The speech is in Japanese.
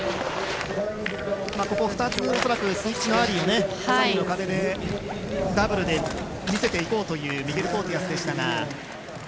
２つ、恐らくスイッチのアーリーを左右の壁でダブルで見せていこうというミゲル・ポーティアスでしたが。